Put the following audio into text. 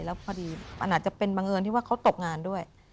แล้วพอดีมันอาจจะเป็นบังเอิญที่ว่าเขาตกงานด้วย